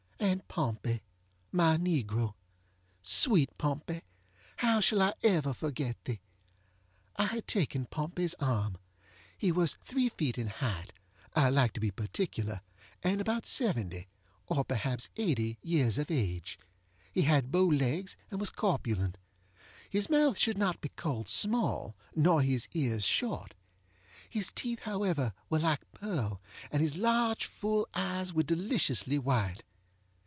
And Pompey, my negro! ŌĆösweet Pompey! how shall I ever forget thee? I had taken PompeyŌĆÖs arm. He was three feet in height (I like to be particular) and about seventy, or perhaps eighty, years of age. He had bow legs and was corpulent. His mouth should not be called small, nor his ears short. His teeth, however, were like pearl, and his large full eyes were deliciously white.